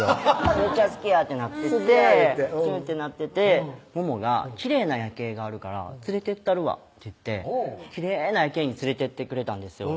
むっちゃ好きやってなっててキュンってなっててモモが「きれいな夜景があるから連れてったるわ」って言ってきれいな夜景に連れてってくれたんですよ